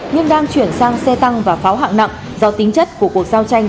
nhưng đang chuyển sang xe tăng và pháo hạng nặng do tính chất của cuộc giao tranh